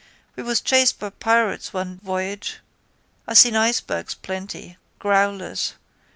We was chased by pirates one voyage. I seen icebergs plenty, growlers.